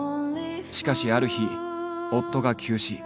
しかしある日夫が急死。